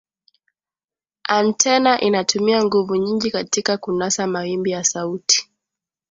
antena inatumia nguvu nyingi katika kunasa mawimbi ya sauti